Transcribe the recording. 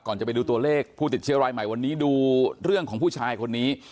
จะไปดูตัวเลขผู้ติดเชื้อรายใหม่วันนี้ดูเรื่องของผู้ชายคนนี้